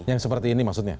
yang seperti ini maksudnya